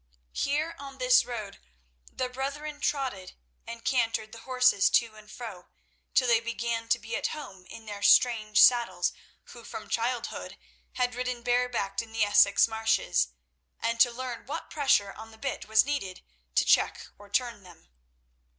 Here on this road the brethren trotted and cantered the horses to and fro, till they began to be at home in their strange saddles who from childhood had ridden barebacked in the Essex marshes, and to learn what pressure on the bit was needed to check or turn them.